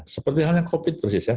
seperti halnya covid sembilan belas